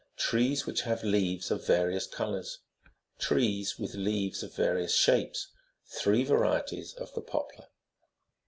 TREES WHICH HAVE LEAVES OF VARIOUS COLOURS; TREES WITH LEAVES OF VARIOUS SHAPES. THREE VARIETIES OF THE POPLAR.